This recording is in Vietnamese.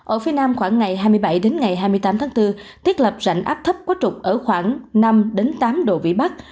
ở phía nam khoảng ngày hai mươi bảy hai mươi tám tháng bốn tiết lập rảnh áp thấp có trục ở khoảng năm tám độ vĩ bắc